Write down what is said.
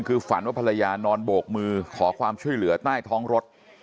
คือฝันว่าภรรยานอนโบกมือขอความช่วยเหลือใต้ท้องรถ